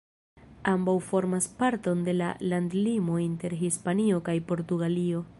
Ambaŭ formas parton de la landlimo inter Hispanio kaj Portugalio.